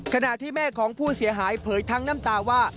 ขณะที่แม่ของผู้เสียหายเผยทั้งน้ำตาว่า